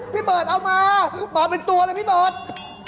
พี่เบิร์ตเอามามาเป็นตัวเลยพี่เบิร์ต